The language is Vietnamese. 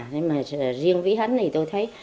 nên mà riêng với hắn thì tôi thấy